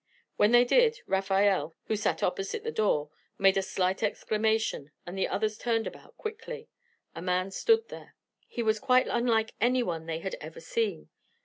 When they did, Rafael, who sat opposite the door, made a slight exclamation, and the others turned about quickly. A man stood there. He was quite unlike any one they had ever seen.